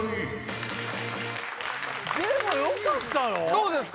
どうですか？